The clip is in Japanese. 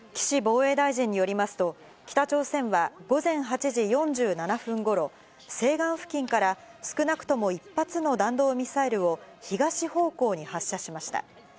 岸防衛大臣によりますと、北朝鮮は午前８時４７分ごろ、西岸付近から少なくとも１発の弾道ミサイルを、東方向に発射しました。